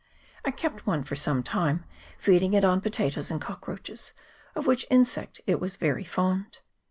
I kept one for some time, feeding it on potatoes and cockroaches, of which insect it was very fond.